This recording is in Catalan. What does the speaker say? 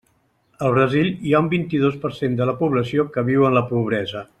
Al Brasil hi ha un vint-i-dos per cent de la població que viu en la pobresa.